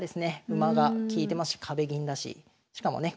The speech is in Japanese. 馬が利いてますし壁銀だししかもね